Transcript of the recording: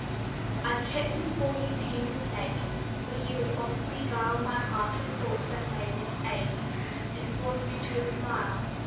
I kept him for his humor's sake, For he would oft beguile My heart of thoughts that made it ache, And force me to a smile.